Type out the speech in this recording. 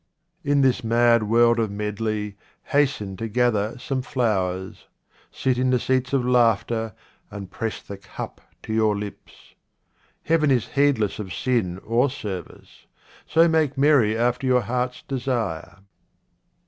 In this mad world of medley hasten to gather some flowers. Sit in the seats of laughter, and press the cup to your lips. Heaven is heedless of sin or service, so make merry after your heart's desire.